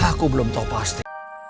aku belum tahu pasti